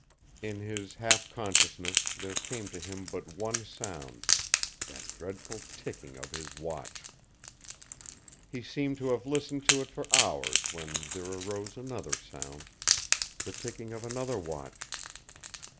In his half consciousness there came to him but one sound that dreadful ticking of his watch. He seemed to have listened to it for hours when there arose another sound the ticking of another watch.